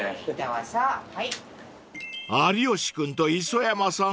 ［有吉君と磯山さん